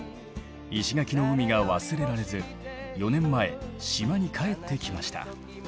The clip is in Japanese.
石垣の海が忘れられず４年前島に帰ってきました。